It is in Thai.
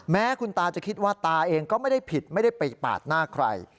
แม้คุณตาจะคิดว่าตาเองก็ไม่ได้ผิดไม่ได้ไปปาดหน้าใคร